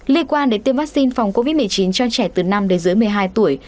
liên quan đến tiêm vaccine phòng covid một mươi chín cho trẻ từ năm đến dưới một mươi hai tuổi